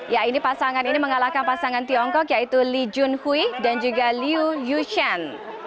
ya ini pasangan ini mengalahkan pasangan tiongkok yaitu lee jun hui dan juga liu yushan